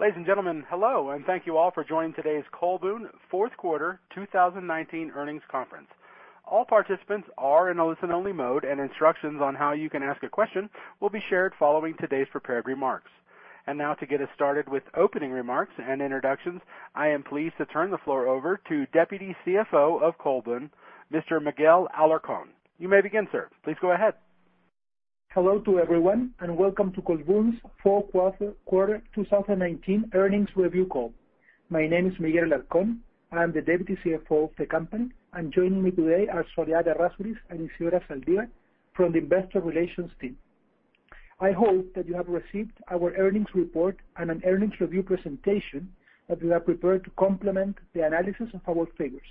Ladies and gentlemen, hello, and thank you all for joining today's Colbún Fourth Quarter 2019 Earnings Conference. All participants are in listen-only mode, and instructions on how you can ask a question will be shared following today's prepared remarks. Now to get us started with opening remarks and introductions, I am pleased to turn the floor over to Deputy CFO of Colbún, Mr. Miguel Alarcón. You may begin, sir. Please go ahead. Hello to everyone, welcome to Colbún's Fourth Quarter 2019 Earnings Review Call. My name is Miguel Alarcón. I am the Deputy CFO of the company, and joining me today are Soledad Errázuriz and Isidora Zaldívar from the investor relations team. I hope that you have received our earnings report and an earnings review presentation that we have prepared to complement the analysis of our figures.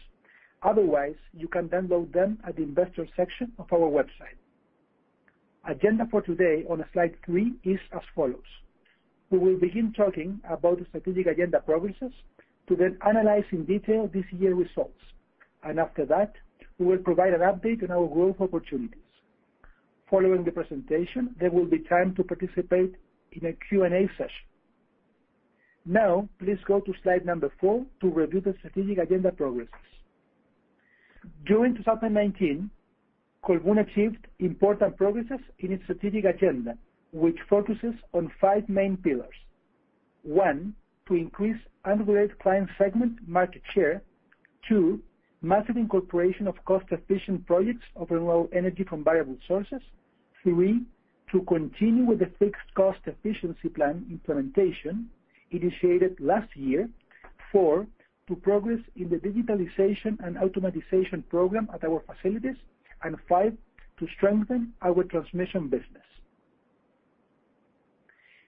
Otherwise, you can download them at the investor section of our website. Agenda for today on slide three is as follows. We will begin talking about the strategic agenda progresses to then analyze in detail this year's results. After that, we will provide an update on our growth opportunities. Following the presentation, there will be time to participate in a Q&A session. Please go to slide number four to review the strategic agenda progresses. During 2019, Colbún achieved important progresses in its strategic agenda, which focuses on five main pillars. One, to increase unregulated client segment market share. Two, massive incorporation of cost-efficient projects of renewable energy from variable sources. Three, to continue with the fixed cost efficiency plan implementation initiated last year. Four, to progress in the digitalization and automatization program at our facilities. Five, to strengthen our transmission business.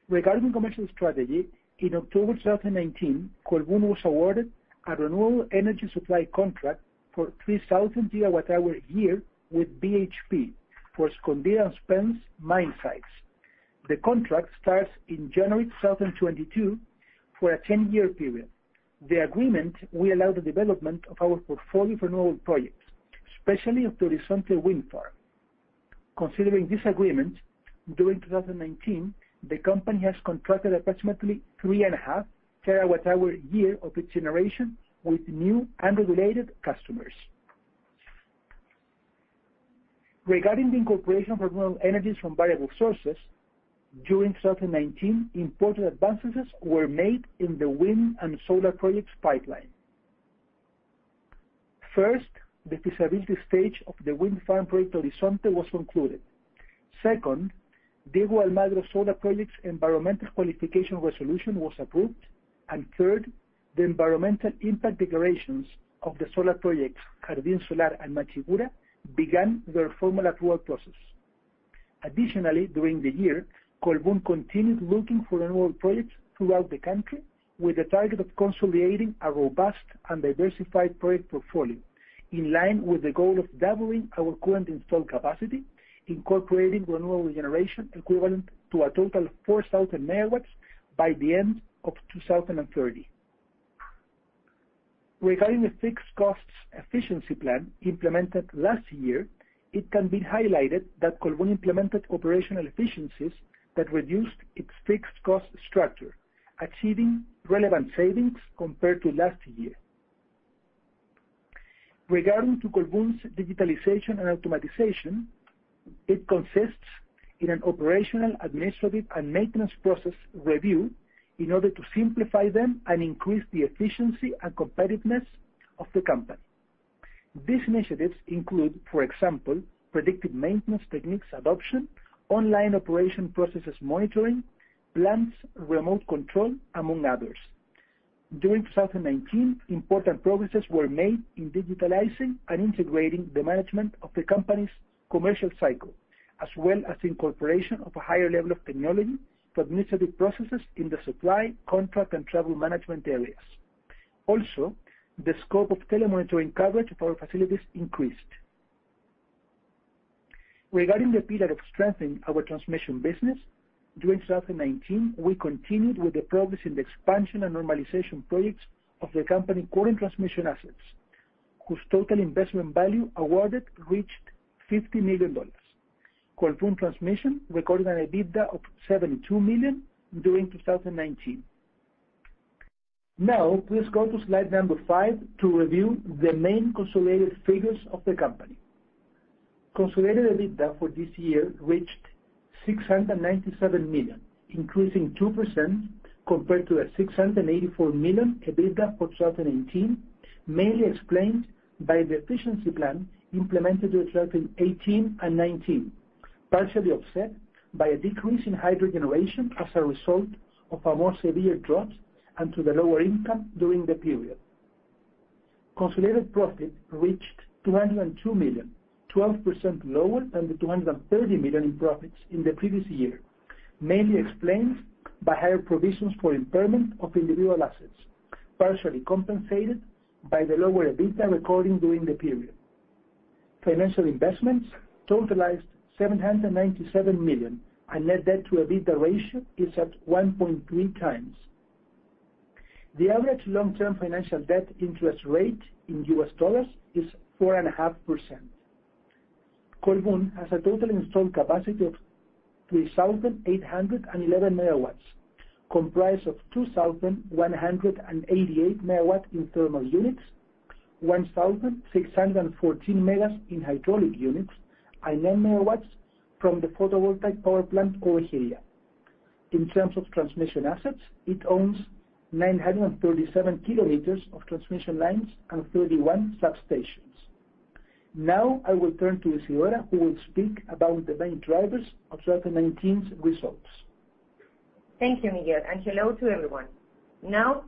Regarding commercial strategy, in October 2019, Colbún was awarded a renewable energy supply contract for 3,000 GWh a year with BHP for Escondida and Spence mine sites. The contract starts in January 2022 for a 10-year period. The agreement will allow the development of our portfolio renewable projects, especially of the Horizonte Wind Farm. Considering this agreement, during 2019, the company has contracted approximately 3.5 TWh A year of its generation with new unregulated customers. Regarding the incorporation of renewable energies from variable sources, during 2019, important advances were made in the wind and solar projects pipeline. First, the feasibility stage of the Horizonte Wind Farm was concluded. Second, Diego de Almagro Solar Project's environmental qualification resolution was approved. Third, the environmental impact declarations of the solar projects, Jardín Solar and Machicura, began their formal approval process. Additionally, during the year, Colbún continued looking for renewable projects throughout the country with the target of consolidating a robust and diversified project portfolio in line with the goal of doubling our current installed capacity, incorporating renewable generation equivalent to a total of 4,000 MW by the end of 2030. Regarding the fixed costs efficiency plan implemented last year, it can be highlighted that Colbún implemented operational efficiencies that reduced its fixed cost structure, achieving relevant savings compared to last year. Regarding to Colbún's digitalization and automatization, it consists in an operational, administrative, and maintenance process review in order to simplify them and increase the efficiency and competitiveness of the company. These initiatives include, for example, predictive maintenance techniques adoption, online operation processes monitoring, plants remote control, among others. During 2019, important progresses were made in digitalizing and integrating the management of the company's commercial cycle, as well as incorporation of a higher level of technology for administrative processes in the supply, contract, and travel management areas. The scope of telemonitoring coverage of our facilities increased. Regarding the pillar of strengthening our transmission business, during 2019, we continued with the progress in the expansion and normalization projects of the company current transmission assets, whose total investment value awarded reached $50 million. Colbún Transmisión recorded an EBITDA of $72 million during 2019. Please go to slide number five to review the main consolidated figures of the company. Consolidated EBITDA for this year reached $697 million, increasing 2% compared to a $684 million EBITDA for 2018, mainly explained by the efficiency plan implemented in 2018 and 2019, partially offset by a decrease in hydro generation as a result of a more severe drought and to the lower income during the period. Consolidated profit reached $202 million, 12% lower than the $230 million in profits in the previous year, mainly explained by higher provisions for impairment of individual assets, partially compensated by the lower EBITDA recording during the period. Financial investments totaled $797 million. Net debt to EBITDA ratio is at 1.3x. The average long-term financial debt interest rate in US dollars is 4.5%. Colbún has a total installed capacity of 3,811 MW, comprised of 2,188 MW in thermal units, 1,614 MW in hydraulic units, and nine megawatts from the photovoltaic power plant, Culebrilla. In terms of transmission assets, it owns 937 km of transmission lines and 31 substations. Now, I will turn to Isidora, who will speak about the main drivers of 2019's results. Thank you, Miguel, and hello to everyone.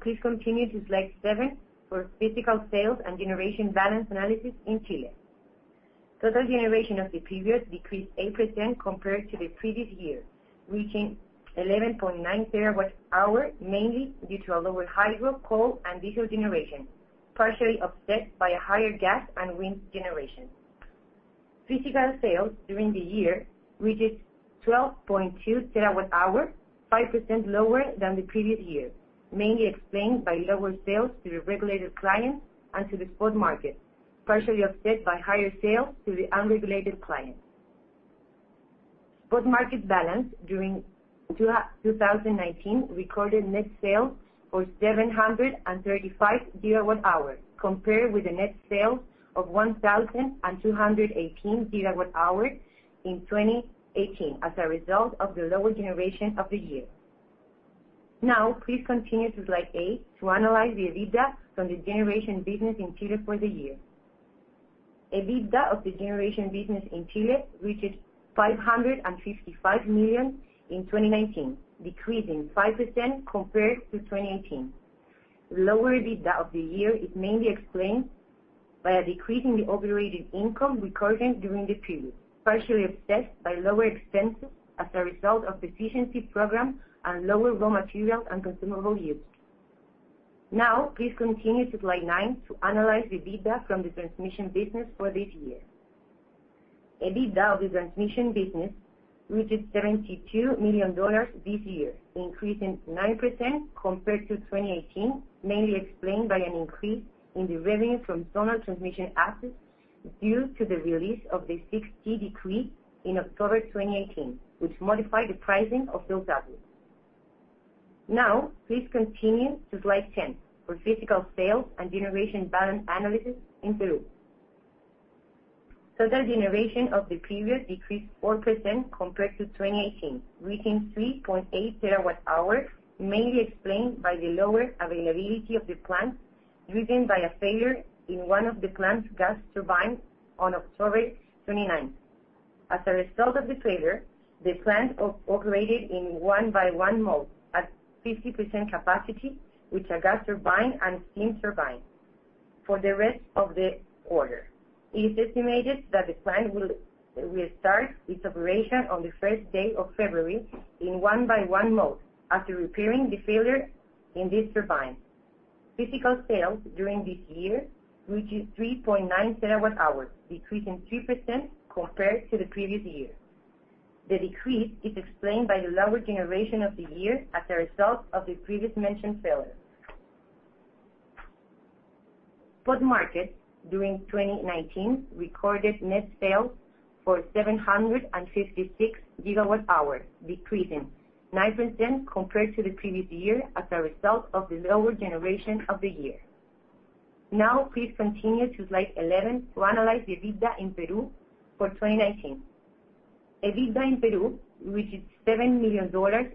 Please continue to slide seven for physical sales and generation balance analysis in Chile. Total generation of the period decreased 8% compared to the previous year, reaching 11.9 TWh, mainly due to lower hydro, coal, and diesel generation, partially offset by higher gas and wind generation. Physical sales during the year reached 12.2 TWh, 5% lower than the previous year, mainly explained by lower sales to the regulated clients and to the spot market, partially offset by higher sales to the unregulated clients. Spot market balance during 2019 recorded net sales for 735 GWh, compared with the net sales of 1,218 GWh in 2018 as a result of the lower generation of the year. Please continue to slide eight to analyze the EBITDA from the generation business in Chile for the year. EBITDA of the generation business in Chile reached $555 million in 2019, decreasing 5% compared to 2018. Lower EBITDA of the year is mainly explained by a decrease in the operating income recorded during the period, partially offset by lower expenses as a result of efficiency program and lower raw materials and consumable use. Please continue to slide nine to analyze the EBITDA from the transmission business for this year. EBITDA of the transmission business reached $72 million this year, increasing 9% compared to 2018, mainly explained by an increase in the revenue from zonal transmission assets due to the release of the Decree 60 in October 2018, which modified the pricing of those assets. Please continue to slide 10 for physical sales and generation balance analysis in Peru. Total generation of the period decreased 4% compared to 2018, reaching 3.8 TWh, mainly explained by the lower availability of the plant, driven by a failure in one of the plant's gas turbines on October 29th. As a result of the failure, the plant operated in one-by-one mode at 50% capacity with a gas turbine and steam turbine for the rest of the quarter. It's estimated that the plant will start its operation on the first day of February in one-by-one mode after repairing the failure in this turbine. Physical sales during this year reached 3.9 TWh, decreasing 3% compared to the previous year. The decrease is explained by the lower generation of the year as a result of the previously mentioned failure. Spot market during 2019 recorded net sales for 756 GWh, decreasing 9% compared to the previous year as a result of the lower generation of the year. Please continue to slide 11 to analyze the EBITDA in Peru for 2019. EBITDA in Peru reached $70 million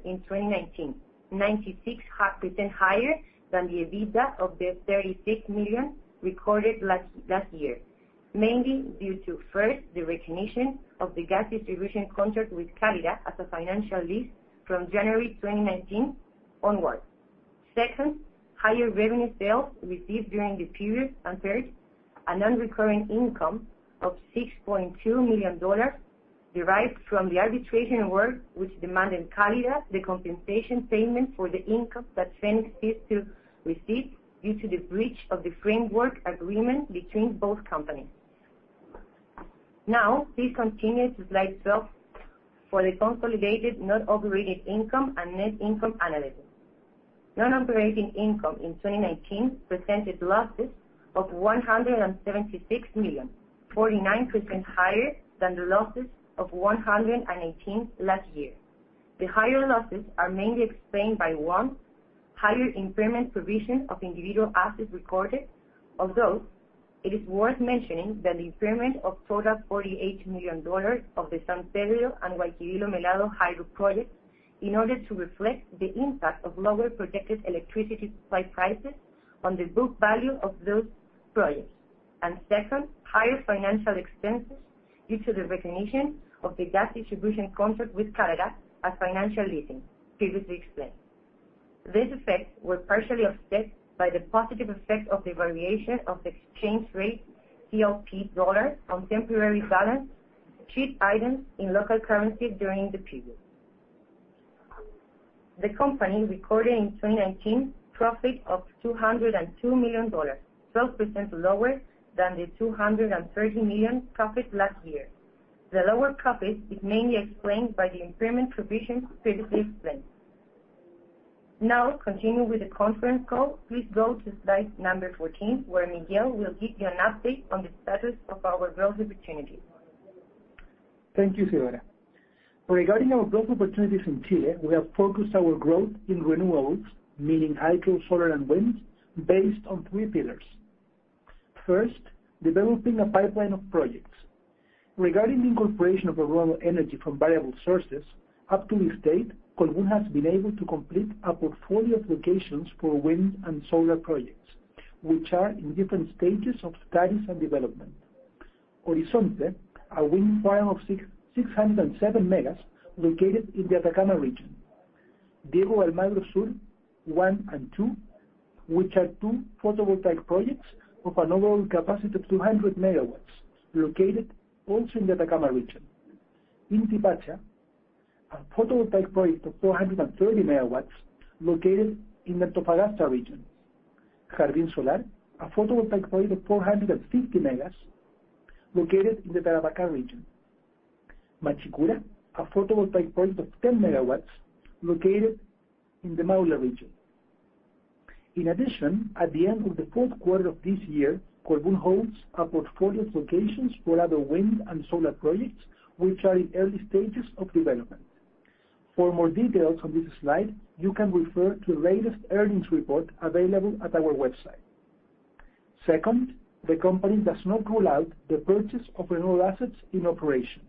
in 2019, 96% higher than the EBITDA of the $36 million recorded last year. Mainly due to, first, the recognition of the gas distribution contract with Cálidda as a financial lease from January 2019 onwards. Second, higher revenue sales received during the period. Third, a non-recurring income of $6.2 million derived from the arbitration award, which demanded Cálidda the compensation payment for the income that Fenix used to receive due to the breach of the framework agreement between both companies. Please continue to slide 12 for the consolidated non-operating income and net income analysis. Non-operating income in 2019 presented losses of $176 million, 49% higher than the losses of $118 last year. The higher losses are mainly explained by, one, higher impairment provision of individual assets recorded, although it is worth mentioning that the impairment of total $48 million of the San Pedro and Guaiquivilo Melado hydro projects, in order to reflect the impact of lower projected electricity supply prices on the book value of those projects. Second, higher financial expenses due to the recognition of the gas distribution contract with Cálidda as financial leasing, previously explained. These effects were partially offset by the positive effect of the variation of the exchange rate, CLP-dollar, on temporary balance sheet items in local currency during the period. The company recorded in 2019 profit of $202 million, 12% lower than the $230 million profit last year. The lower profit is mainly explained by the impairment provision previously explained. Continuing with the conference call, please go to slide number 14, where Miguel will give you an update on the status of our growth opportunities. Thank you, Isidora. Regarding our growth opportunities in Chile, we have focused our growth in renewables, meaning hydro, solar, and wind, based on three pillars. First, developing a pipeline of projects. Regarding the incorporation of renewable energy from variable sources, up to this date, Colbún has been able to complete a portfolio of locations for wind and solar projects, which are in different stages of studies and development. Horizonte, a wind farm of 607 MW located in the Atacama Region. Diego de Almagro Sol 1 and 2, which are two photovoltaic projects of an overall capacity of 200 MW, located also in the Atacama Region. Inti Pacha, a photovoltaic project of 430 MW located in the Antofagasta Region. Jardín Solar, a photovoltaic project of 450 MW located in the Tarapacá Region. Machicura, a photovoltaic project of 10 MW located in the Maule Region. In addition, at the end of the fourth quarter of this year, Colbún holds a portfolio of locations for other wind and solar projects, which are in early stages of development. For more details on this slide, you can refer to the latest earnings report available at our website. Second, the company does not rule out the purchase of renewable assets in operation.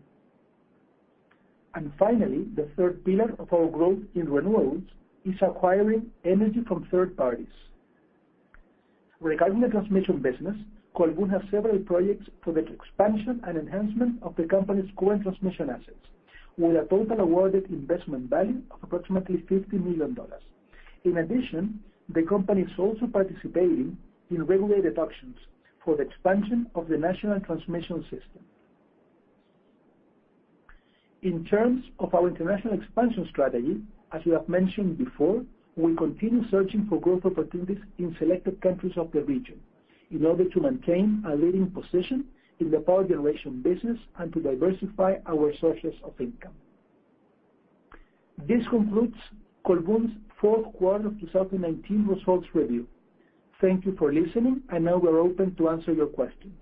Finally, the third pillar of our growth in renewables is acquiring energy from third parties. Regarding the transmission business, Colbún has several projects for the expansion and enhancement of the company's current transmission assets, with a total awarded investment value of approximately $50 million. In addition, the company is also participating in regulated auctions for the expansion of the national transmission system. In terms of our international expansion strategy, as we have mentioned before, we continue searching for growth opportunities in selected countries of the region in order to maintain a leading position in the power generation business and to diversify our sources of income. This concludes Colbún's fourth quarter of 2019 results review. Thank you for listening. Now we're open to answer your questions.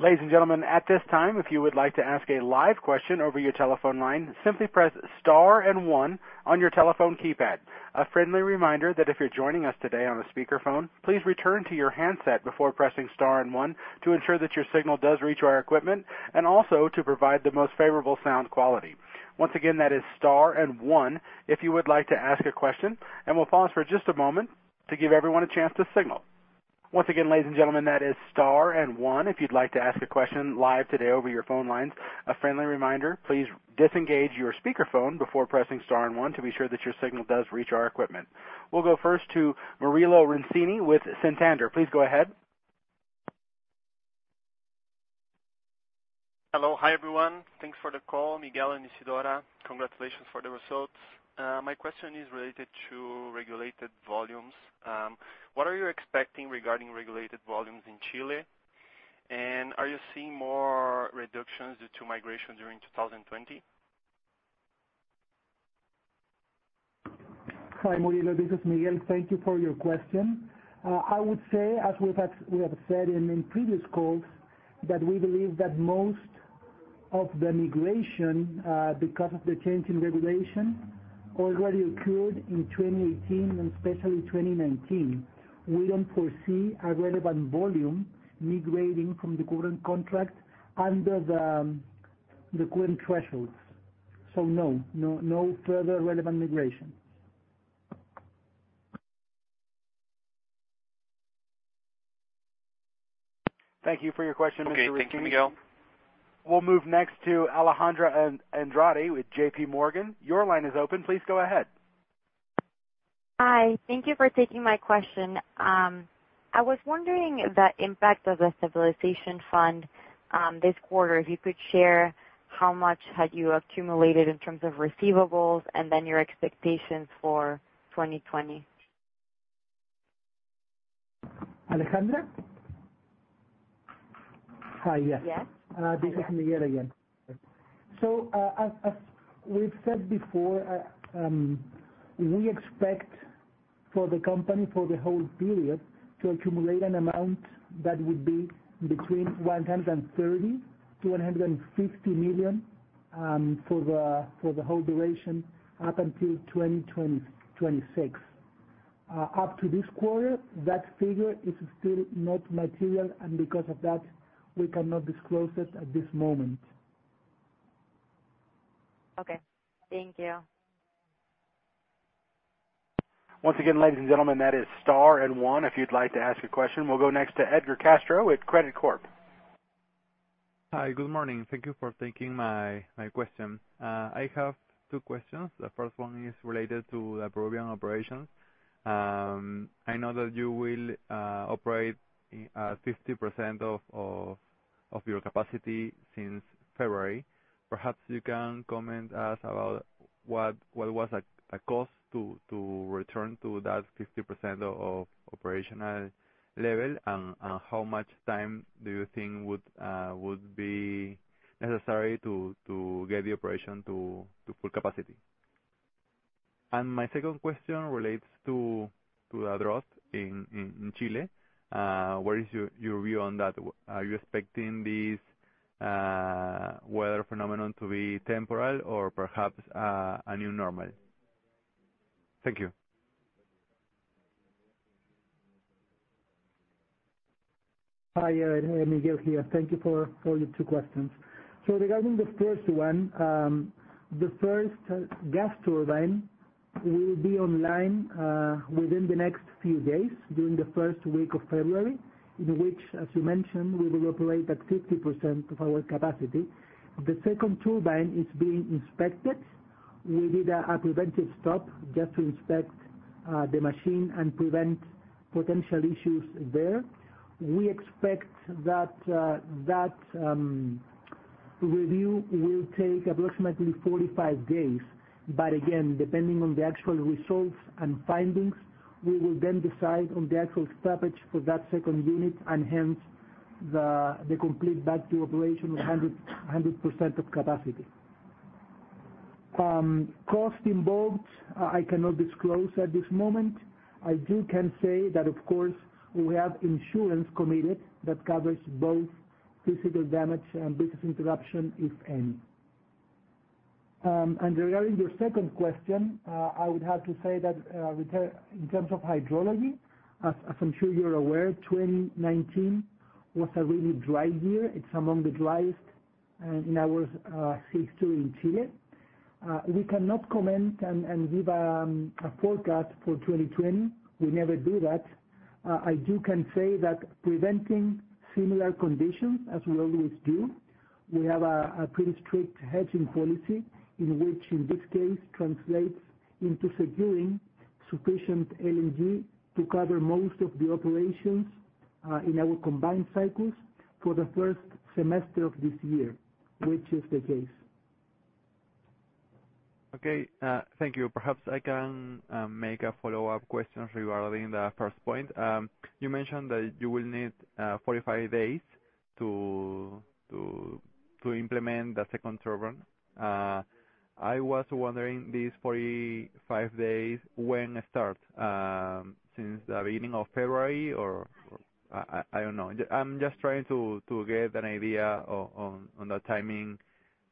Ladies and gentlemen, at this time, if you would like to ask a live question over your telephone line, simply press star and one on your telephone keypad. A friendly reminder that if you're joining us today on a speakerphone, please return to your handset before pressing star and one to ensure that your signal does reach our equipment, and also to provide the most favorable sound quality. We'll go first to Murilo Riccini with Santander. Please go ahead. Hello. Hi, everyone. Thanks for the call, Miguel and Isidora. Congratulations for the results. My question is related to regulated volumes. What are you expecting regarding regulated volumes in Chile? Are you seeing more reductions due to migration during 2020? Hi, Murilo. This is Miguel. Thank you for your question. I would say, as we have said in previous calls, that we believe that most of the migration, because of the change in regulation, already occurred in 2018 and especially 2019. We don't foresee a relevant volume migrating from the current contract under the current thresholds. No further relevant migration. Thank you, Miguel. We'll move next to Alejandra Andrade with JPMorgan. Your line is open. Please go ahead. Hi. Thank you for taking my question. I was wondering the impact of the stabilization fund this quarter. If you could share how much had you accumulated in terms of receivables, and then your expectations for 2020? Alejandra, this is Miguel again. As we've said before, we expect for the company for the whole period to accumulate an amount that would be between $130 million-$150 million for the whole duration up until 2026. Up to this quarter, that figure is still not material, and because of that, we cannot disclose it at this moment. Okay. Thank you. We'll go next to Edgar Castro with Credicorp. Hi, good morning. Thank you for taking my question. I have two questions. The first one is related to the Peruvian operations. I know that you will operate at 50% of your capacity since February. Perhaps you can comment us about what was the cost to return to that 50% of operational level, and how much time do you think would be necessary to get the operation to full capacity? My second question relates to the drought in Chile. What is your view on that? Are you expecting this weather phenomenon to be temporal or perhaps a new normal? Thank you. Hi, Miguel here. Thank you for your two questions. Regarding the first one, the first gas turbine will be online within the next few days, during the first week of February, in which, as you mentioned, we will operate at 50% of our capacity. The second turbine is being inspected. We did a preventive stop just to inspect the machine and prevent potential issues there. We expect that review will take approximately 45 days. Again, depending on the actual results and findings, we will then decide on the actual stoppage for that second unit and hence the complete back to operation at 100% of capacity. Cost involved, I cannot disclose at this moment. I can say that, of course, we have insurance committed that covers both physical damage and business interruption, if any. Regarding your second question, I would have to say that in terms of hydrology, as I'm sure you're aware, 2019 was a really dry year. It's among the driest in our history in Chile. We cannot comment and give a forecast for 2020. We never do that. I do can say that preventing similar conditions, as we always do, we have a pretty strict hedging policy in which, in this case, translates into securing sufficient LNG to cover most of the operations in our combined cycles for the first semester of this year, which is the case. Okay. Thank you. Perhaps I can make a follow-up question regarding the first point. You mentioned that you will need 45 days to implement the second turbine. I was wondering these 45 days, when start? Since the beginning of February, or I don't know. I'm just trying to get an idea on the timing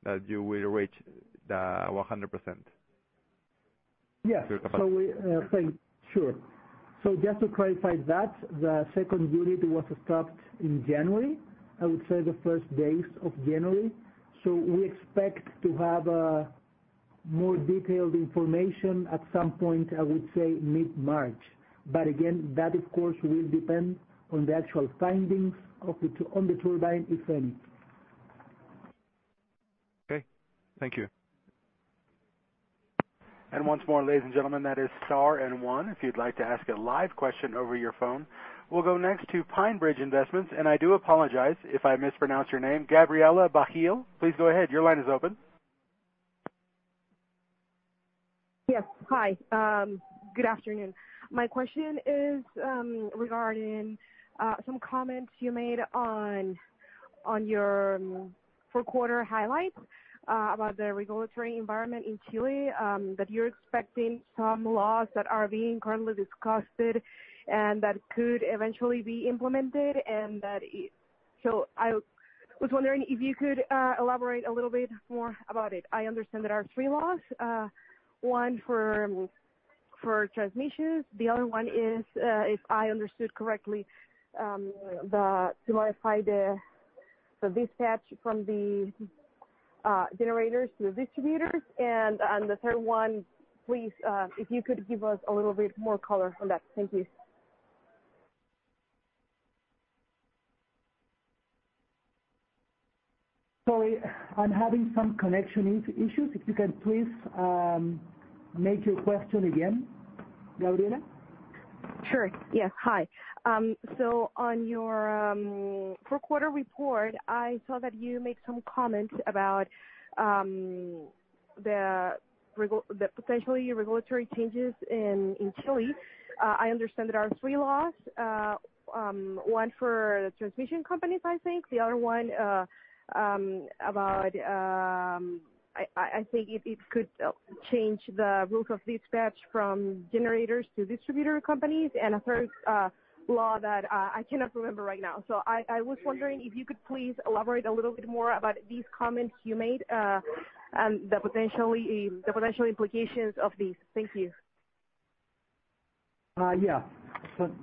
that you will reach the 100%. Sure. Just to clarify that, the second unit was stopped in January, I would say the first days of January. We expect to have more detailed information at some point, I would say mid-March. Again, that, of course, will depend on the actual findings on the turbine, if any. Okay. Thank you. We'll go next to PineBridge Investments, and I do apologize if I mispronounce your name, Gabriela Bajjali. Please go ahead. Your line is open. Yes. Hi. Good afternoon. My question is regarding some comments you made on your fourth quarter highlights about the regulatory environment in Chile, that you're expecting some laws that are being currently discussed and that could eventually be implemented. I was wondering if you could elaborate a little bit more about it? I understand there are three laws. One for transmissions. The other one is, if I understood correctly, to modify the dispatch from the generators to the distributors. The third one, please, if you could give us a little bit more color on that? Thank you. Yeah.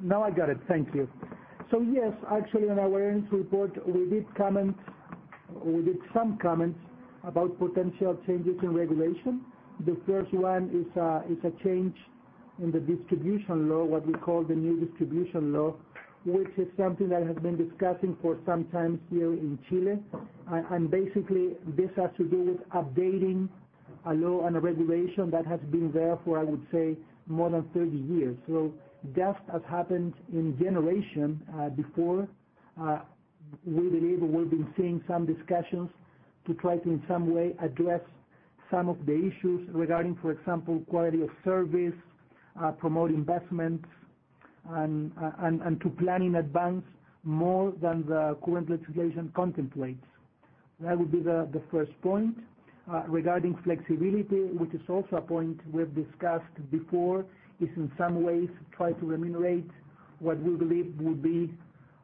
Now I got it. Thank you. Yes, actually on our earnings report, we did some comments about potential changes in regulation. The first one is a change in the distribution law, what we call the new distribution law, which is something that has been discussing for some time here in Chile. Basically, this has to do with updating a law and a regulation that has been there for, I would say, more than 30 years. That has happened in generation before. We believe we've been seeing some discussions to try to, in some way, address some of the issues regarding, for example, quality of service, promote investments, and to plan in advance more than the current legislation contemplates. That would be the first point. Regarding flexibility, which is also a point we've discussed before, is in some ways try to remunerate what we believe would be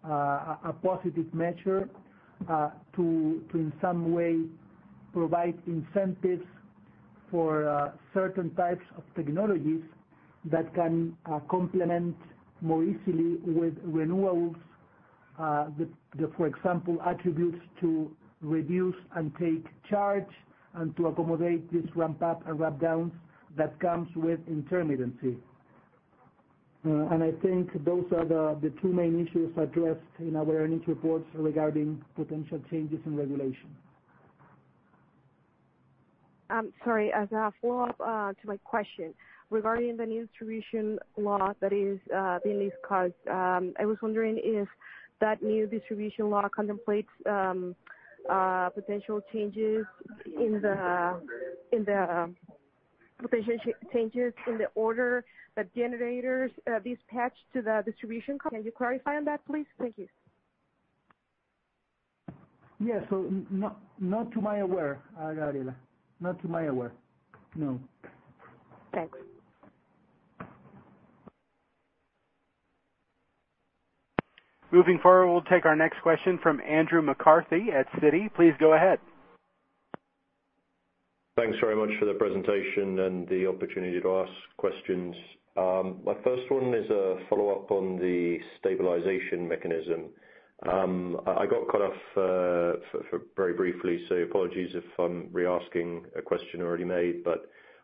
a positive measure to, in some way, provide incentives for certain types of technologies that can complement more easily with renewables. For example, attributes to reduce and take charge, and to accommodate these ramp up and ramp downs that comes with intermittency. I think those are the two main issues addressed in our earnings reports regarding potential changes in regulation. Sorry, as a follow-up to my question. Regarding the new distribution law that is being discussed, I was wondering if that new distribution law contemplates potential changes in the order that generators dispatch to the distribution company. Can you clarify on that, please? Thank you. Yes. Not to my aware, Gabriela. Thanks. Moving forward, we'll take our next question from Andrew McCarthy at Citi. Please go ahead. Thanks very much for the presentation and the opportunity to ask questions. My first one is a follow-up on the stabilization mechanism. I got cut off very briefly, so apologies if I'm re-asking a question already made.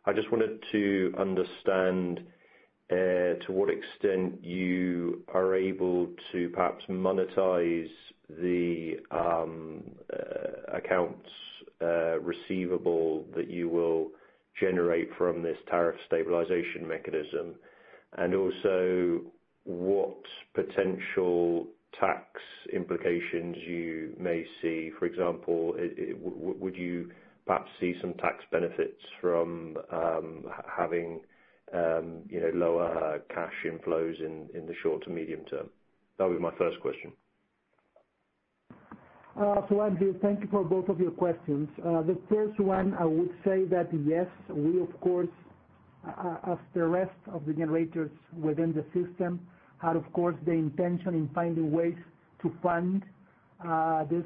I just wanted to understand to what extent you are able to perhaps monetize the accounts receivable that you will generate from this tariff stabilization mechanism. Also, what potential tax implications you may see. For example, would you perhaps see some tax benefits from having lower cash inflows in the short to medium term? That would be my first question. Andrew, thank you for both of your questions. The first one, I would say that yes, we, of course, as the rest of the generators within the system, had, of course, the intention in finding ways to fund these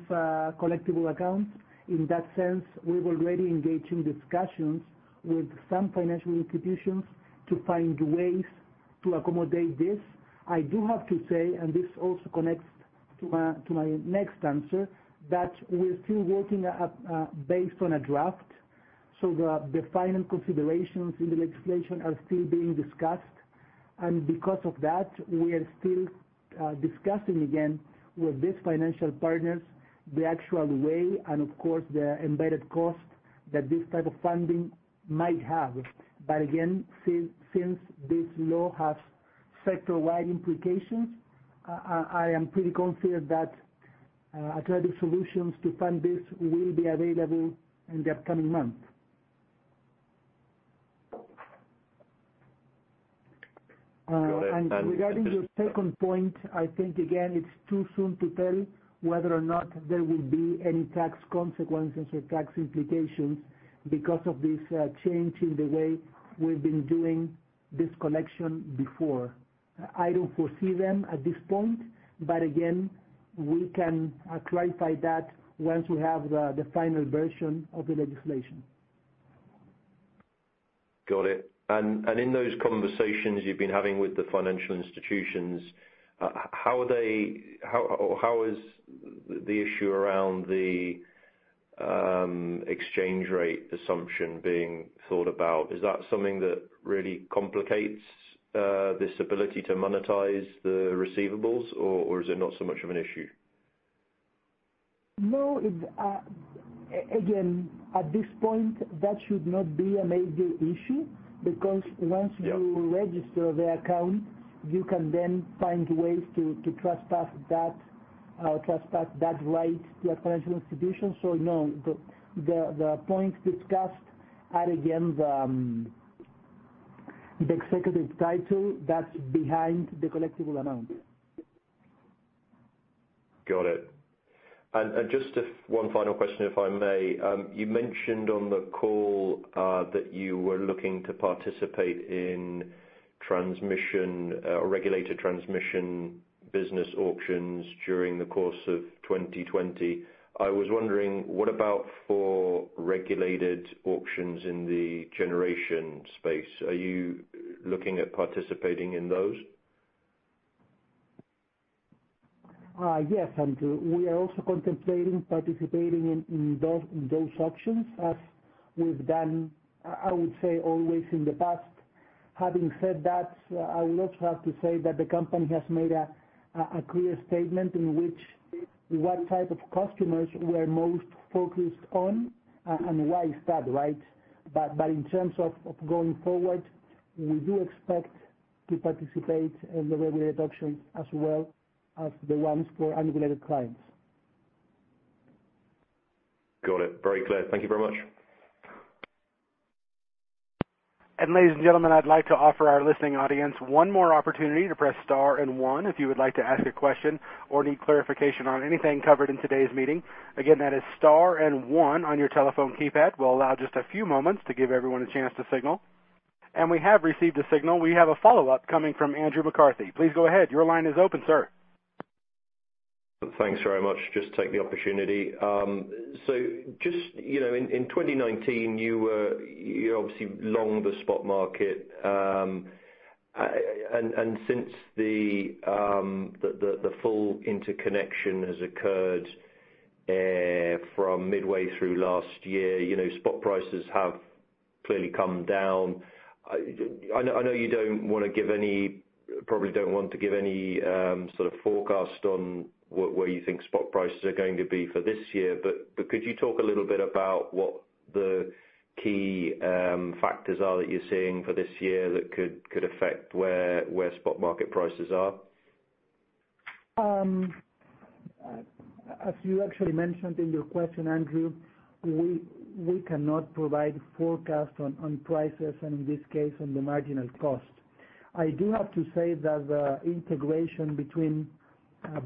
collectible accounts. In that sense, we've already engaged in discussions with some financial institutions to find ways to accommodate this. I do have to say, and this also connects to my next answer, that we're still working based on a draft. The final considerations in the legislation are still being discussed. Because of that, we are still discussing again with these financial partners the actual way and of course, the embedded cost that this type of funding might have. Again, since this law has sector-wide implications, I am pretty confident that attractive solutions to fund this will be available in the upcoming months. Regarding your second point, I think, again, it's too soon to tell whether or not there will be any tax consequences or tax implications because of this change in the way we've been doing this collection before. I don't foresee them at this point, but again, we can clarify that once we have the final version of the legislation. Got it. In those conversations you've been having with the financial institutions, how is the issue around the exchange rate assumption being thought about? Is that something that really complicates this ability to monetize the receivables, or is it not so much of an issue? Again, at this point, that should not be a major issue because once you register the account, you can then find ways to trespass that right to a financial institution. No, the points discussed are again, the executive title that's behind the collectible amount. Got it. Just one final question, if I may. You mentioned on the call that you were looking to participate in regulated transmission business auctions during the course of 2020. I was wondering, what about for regulated auctions in the generation space? Are you looking at participating in those? Yes, Andrew. We are also contemplating participating in those auctions, as we've done, I would say always in the past. Having said that, I will also have to say that the company has made a clear statement in which what type of customers we're most focused on and why is that. In terms of going forward, we do expect to participate in the regulated auctions as well as the ones for unregulated clients. Got it. Very clear. Thank you very much. We have a follow-up coming from Andrew McCarthy. Please go ahead. Your line is open, sir. Thanks very much. Just take the opportunity. Just in 2019, you obviously longed the spot market. Since the full interconnection has occurred, from midway through last year, spot prices have clearly come down. I know you probably don't want to give any sort of forecast on where you think spot prices are going to be for this year. Could you talk a little bit about what the key factors are that you're seeing for this year that could affect where spot market prices are? As you actually mentioned in your question, Andrew, we cannot provide forecast on prices and in this case, on the marginal cost. I do have to say that the integration between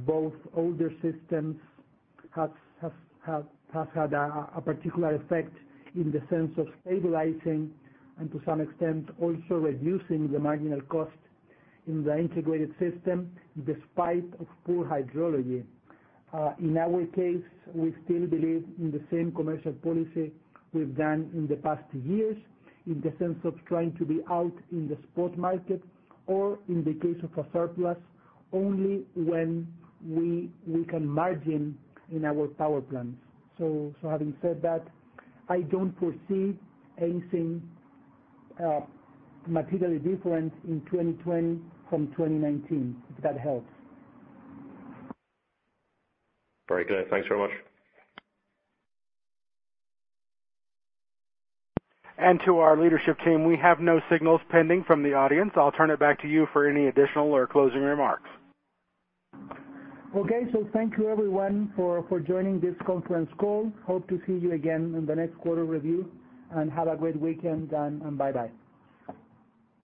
both older systems has had a particular effect in the sense of stabilizing and to some extent, also reducing the marginal cost in the integrated system despite poor hydrology. In our case, we still believe in the same commercial policy we've done in the past years, in the sense of trying to be out in the spot market or in the case of a surplus, only when we can margin in our power plants. Having said that, I don't foresee anything materially different in 2020 from 2019, if that helps. Very good. Thanks very much. To our leadership team, we have no signals pending from the audience. I will turn it back to you for any additional or closing remarks. Okay. Thank you everyone for joining this conference call. Hope to see you again in the next quarter review, and have a great weekend, and bye-bye.